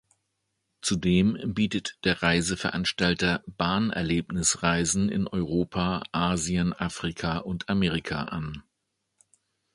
Zudem bietet der Reiseveranstalter Bahn-Erlebnisreisen in Europa, Asien, Afrika und Amerika an.